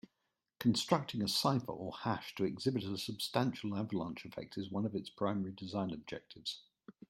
Constructing a cipher or hash to exhibit a substantial avalanche effect is one of its primary design objectives.